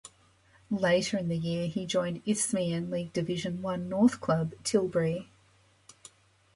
Later in the year, he joined Isthmian League Division One North club, Tilbury.